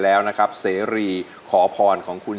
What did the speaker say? สิบนิ้วผนมและโกมลงคราบ